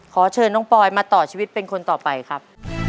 ขอเชิญน้องปอยมาต่อชีวิตเป็นคนต่อไปครับ